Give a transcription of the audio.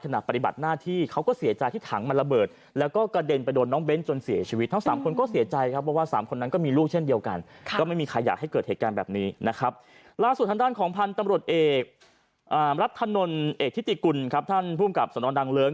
น้นเอกทิศติกุลครับท่านผู้กับสนองดังเลิ้ง